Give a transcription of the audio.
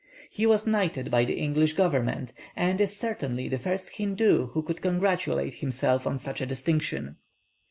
He was knighted by the English government, and is certainly the first Hindoo who could congratulate himself on such a distinction.